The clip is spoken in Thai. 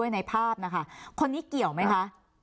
นะคะคนนี้เกี่ยวไหมคะ